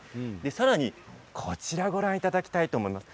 さらに、こちらをご覧いただきたいと思います。